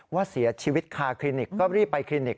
ว่าเสียชีวิตคาคลินิกก็รีบไปคลินิก